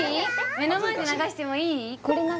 目の前で流してもいい？